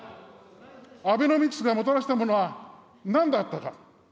アベノミクスがもたらしたものはなんだったか。